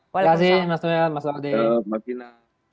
terima kasih mas tuhan mas laude